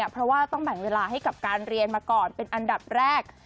เพราะว่าต้องแบ่งเวลาให้กับการเรียนมาก่อนเป็นอันดับแรก